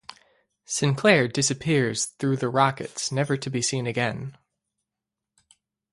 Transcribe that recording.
Sinclaire disappears through the rockets, never to be seen again.